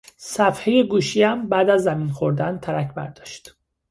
صفحه گوشیام بعد از زمین خوردن ترک برداشت